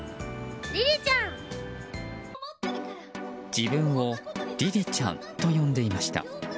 自分をりりちゃんと呼んでいました。